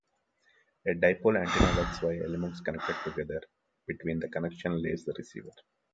A dipole antenna works via elements connected together, between the connection lays the receiver.